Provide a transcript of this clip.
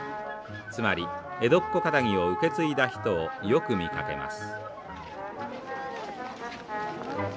つまり江戸っ子かたぎを受け継いだ人をよく見かけます。